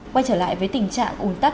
quay trở lại với tình trạng ủn tắc